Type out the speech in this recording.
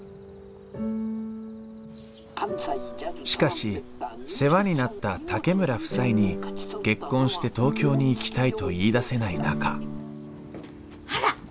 しかし世話になった竹村夫妻に結婚して東京に行きたいと言い出せない中あらっ！